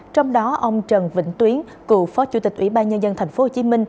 trong đó ông trần vĩnh tuyến cựu phó chủ tịch ủy ban nhân dân tp hcm